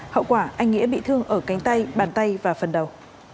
hậu quả anh nghĩa bị thương ở cánh tay bàn tay và phần đầu